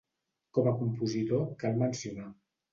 Com a compositor cal mencionar.